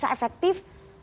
ini bisa efektif